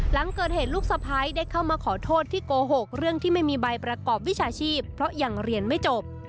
หลังเกิดเหตุลูกสะพ้ายได้เข้ามาขอโทษที่โกหกเรื่องที่ไม่มีใบประกอบวิชาชีพเพราะยังเรียนไม่จบ